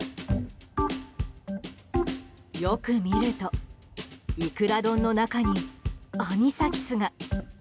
よく見ると、イクラ丼の中にアニサキスが。